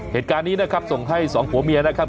เหตุการณ์นี้นะครับส่งให้สองผัวเมียนะครับ